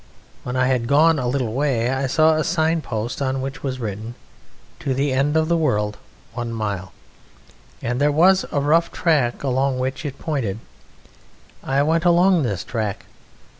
When I had gone a little way I saw a signpost on which was written, 'To the End of the World One Mile' and there was a rough track along which it pointed. I went along this track.